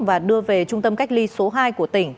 và đưa về trung tâm cách ly số hai của tỉnh